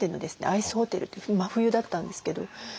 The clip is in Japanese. アイスホテルという真冬だったんですけど。